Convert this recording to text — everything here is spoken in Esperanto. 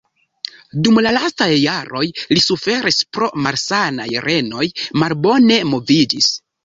Dum lastaj jaroj li suferis pro malsanaj renoj, malbone moviĝis.